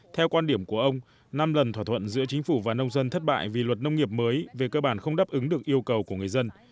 theo quan điểm của ông năm lần thỏa thuận giữa chính phủ và nông dân thất bại vì luật nông nghiệp mới về cơ bản không đáp ứng được yêu cầu của người dân